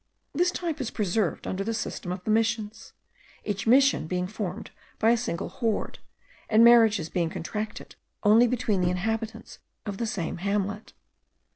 This type is preserved under the system of the Missions, each Mission being formed by a single horde, and marriages being contracted only between the inhabitants of the same hamlet.